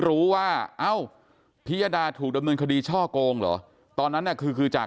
รู้ว่าเอ้าพี่ยดาถูกดำเนินคดีช่อกงหรอตอนนั้นเนี่ยคือจาก